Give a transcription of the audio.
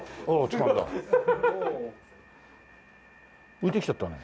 浮いてきちゃったね。